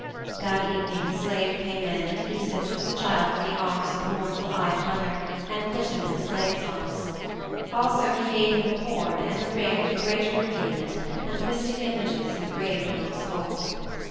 That evening the slave came in and Æson took the child from the arms of the mournful eyed mother and put him in the slave's arms. Also he gave him a horn and a ring with a great ruby in it and mystic images engraved on its gold.